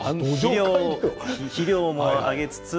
肥料もあげつつ。